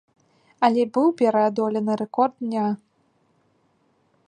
Але быў пераадолены рэкорд дня.